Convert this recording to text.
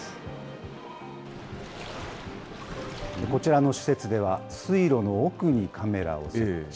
こちらの施設では、水路の奥にカメラを設置。